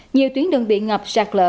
nhiều tuyến đường bị ngập sạt lỡ